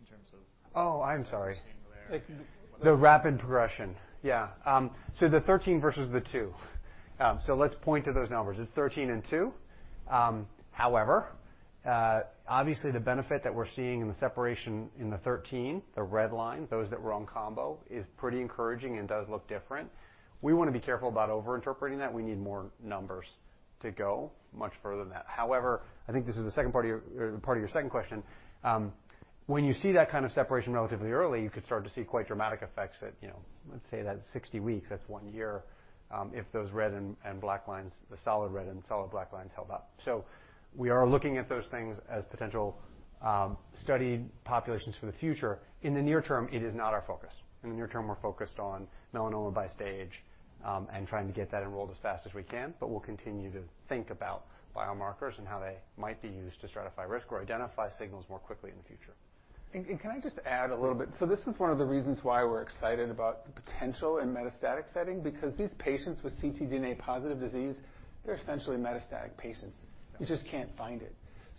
Oh, I'm sorry. What we're seeing there. The rapid progression. Yeah. The 13 versus the 2? Let's point to those numbers. It's 13 and 2. However, obviously, the benefit that we're seeing in the separation in the 13, the red line, those that were on combo, is pretty encouraging and does look different. We wanna be careful about overinterpreting that. We need more numbers to go much further than that. However, I think this is the second part of your second question. When you see that kind of separation relatively early, you could start to see quite dramatic effects at, you know, let's say, that's 60 weeks, that's 1 year, if those red and black lines, the solid red and solid black lines, hold up. We are looking at those things as potential study populations for the future. In the near term, it is not our focus. In the near term, we're focused on melanoma by stage, and trying to get that enrolled as fast as we can, but we'll continue to think about biomarkers and how they might be used to stratify risk or identify signals more quickly in the future. Can I just add a little bit? This is one of the reasons why we're excited about the potential in metastatic setting, because these patients with ctDNA-positive disease, they're essentially metastatic patients. You just can't find it.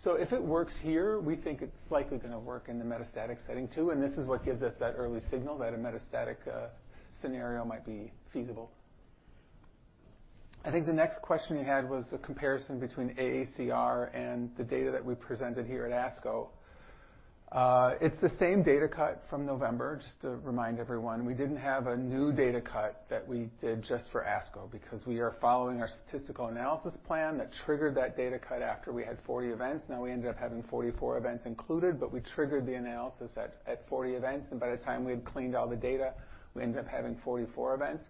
If it works here, we think it's likely gonna work in the metastatic setting, too, and this is what gives us that early signal that a metastatic scenario might be feasible. I think the next question you had was the comparison between AACR and the data that we presented here at ASCO. It's the same data cut from November, just to remind everyone. We didn't have a new data cut that we did just for ASCO because we are following our statistical analysis plan that triggered that data cut after we had 40 events. We ended up having 44 events included, but we triggered the analysis at 40 events, and by the time we had cleaned all the data, we ended up having 44 events.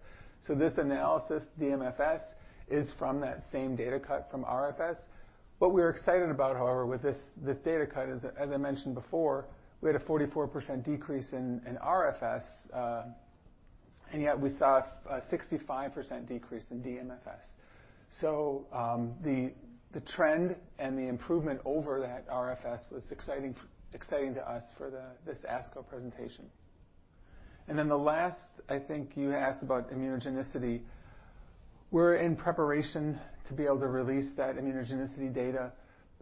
This analysis, DMFS, is from that same data cut from RFS. What we're excited about, however, with this data cut, as I mentioned before, we had a 44% decrease in RFS, and yet we saw a 65% decrease in DMFS. The trend and the improvement over that RFS was exciting to us for this ASCO presentation. The last, I think you asked about immunogenicity. We're in preparation to be able to release that immunogenicity data.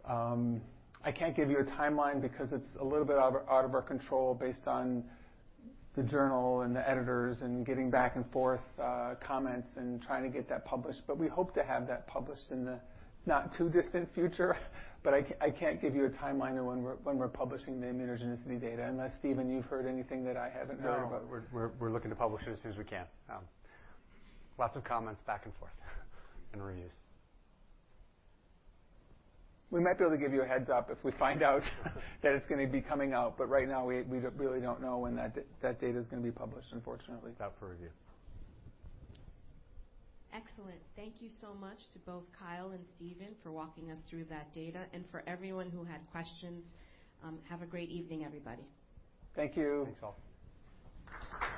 I can't give you a timeline because it's a little bit out of, out of our control based on the journal and the editors and getting back-and-forth comments and trying to get that published. We hope to have that published in the not-too-distant future, but I can't give you a timeline on when we're publishing the immunogenicity data, unless, Stephen, you've heard anything that I haven't heard about. No, we're looking to publish it as soon as we can. Lots of comments back and forth and reviews. We might be able to give you a heads-up if we find out that it's gonna be coming out. Right now, we really don't know when that data is gonna be published, unfortunately. It's out for review. Excellent. Thank you so much to both Kyle and Stephen for walking us through that data, and for everyone who had questions. Have a great evening, everybody. Thank you! Thanks, all.